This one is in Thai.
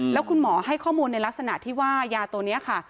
แล้วคุณหมอให้ข้อมูลในลักษณะที่ว่ายาตัวนี้ค่ะ